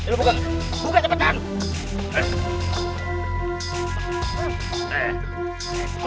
bukan bukan cepetan